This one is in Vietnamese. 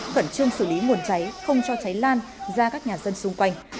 khẩn trương xử lý nguồn cháy không cho cháy lan ra các nhà dân xung quanh